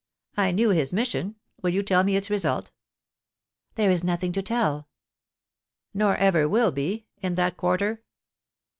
* I knew his mission. Will you tell me its result ?' 'There is nothing to telL' * Nor ever will be — in that quarter